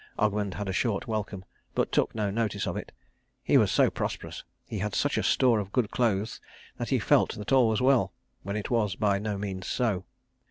Ogmund had a short welcome, but took no notice of it. He was so prosperous, he had such a store of good clothes that he felt that all was well, when it was by no means so.